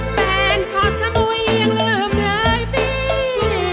แฟนขอสมุยยังลืมเหนื่อยปี